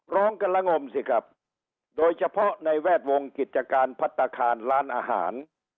ร้องกันละงมสิครับโดยเฉพาะในแวดวงกิจการพัฒนาคารร้านอาหาร